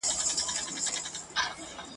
خو یوه ورځ به درته په کار سم !.